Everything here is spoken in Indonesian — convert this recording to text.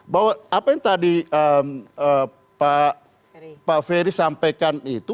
bahwa apa yang tadi pak ferry sampaikan itu